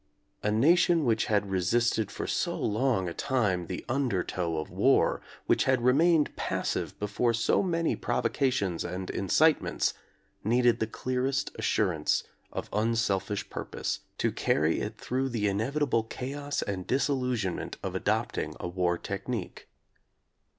A nation which had resisted for so long a time the undertow of war, which had remained passive be fore so many provocations and incitements, needed the clearest assurance of unselfish purpose to carry it through the inevitable chaos and disillusionment of adopting a war technique.